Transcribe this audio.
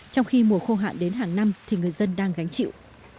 trong khi mùa khô hạn đến hàng năm thì người dân đang gánh chịu